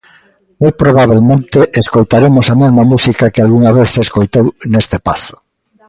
Moi probabelmente escoitaremos a mesma música que algunha vez se escoitou nese pazo.